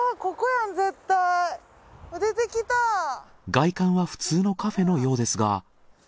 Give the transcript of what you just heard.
外観は普通のカフェのようですが。